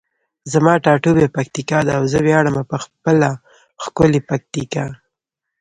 زما ټاټوبی پکتیکا ده او زه ویاړمه په خپله ښکلي پکتیکا.